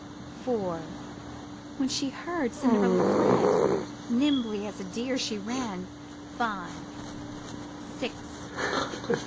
Four! When she heard, Cinderella fled. Nimbly as a deer she ran. Five! Six!